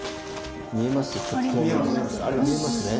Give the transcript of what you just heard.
見えますね？